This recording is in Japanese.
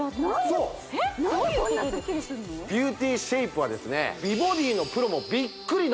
そうビューティーシェイプはですね